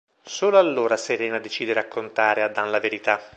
Solo allora Serena decide raccontare a Dan la verità.